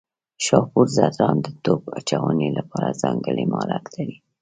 شاپور ځدراڼ د توپ اچونې لپاره ځانګړی مهارت لري.